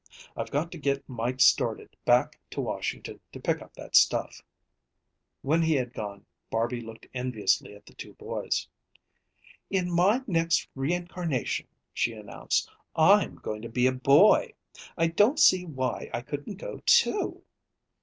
I've got to get Mike started back to Washington to pick up that stuff." When he had gone, Barby looked enviously at the two boys. "In my next reincarnation," she announced, "I'm going to be a boy. I don't see why I couldn't go, too.